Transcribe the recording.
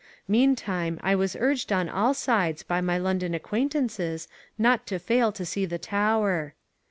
Meantime I was urged on all sides by my London acquaintances not to fail to see the Tower.